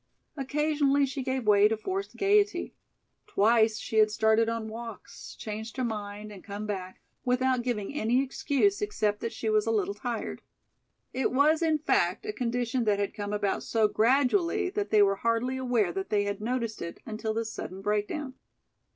Occasionally she gave way to forced gaiety. Twice she had started on walks, changed her mind and come back, without giving any excuse except that she was a little tired. It was, in fact, a condition that had come about so gradually that they were hardly aware they had noticed it until this sudden breakdown.